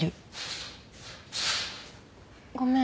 ごめん。